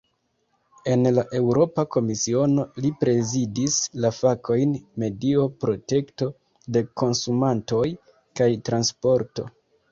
En la Eŭropa Komisiono, li prezidis la fakojn "medio, protekto de konsumantoj kaj transporto".